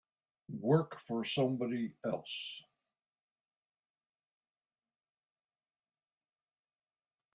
Work for somebody else.